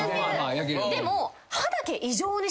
でも。